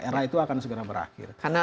era itu akan segera berakhir